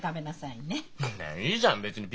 いいじゃん別に。